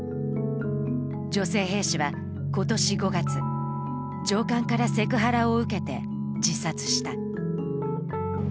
女性兵士は今年５月、上官からセクハラを受けて自殺した。